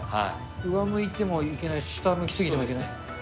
上向いてもいけないし、下向いてもいけない。